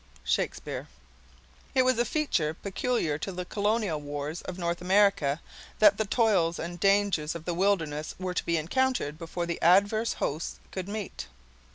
—Shakespeare It was a feature peculiar to the colonial wars of North America, that the toils and dangers of the wilderness were to be encountered before the adverse hosts could meet.